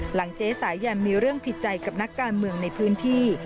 เจ๊สายันมีเรื่องผิดใจกับนักการเมืองในพื้นที่